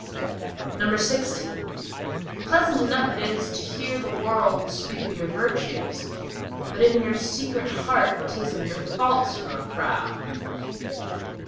XVI Pleasant enough it is to hear the world speak of your virtues; But in your secret heart 'tis of your faults you are proud.